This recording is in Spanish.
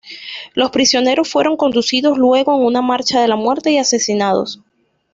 Los prisioneros fueron conducidos luego en una marcha de la muerte y asesinados.